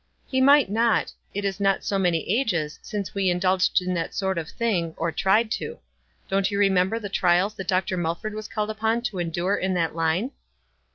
" He might not. It is not so many ages since we indulged in that sort of thing, or tried to. Don't you remember the trials that Dr. Mulford was called upon to endure in that liue?"